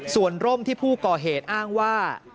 ส่วนร่มที่ผู้ก่อเหตุอ้างว่า